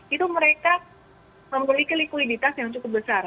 itu mereka memiliki likuiditas yang cukup besar